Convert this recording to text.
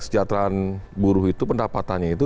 kesejahteraan buruh itu pendapatannya itu